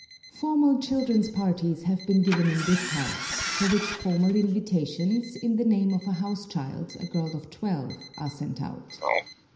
Formal children's parties have been given in this house, for which formal invitations, in the name of the house child, a girl of twelve, are sent out.